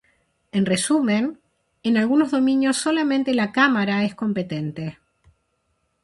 En resumen, en algunos dominios solamente la cámara es competente.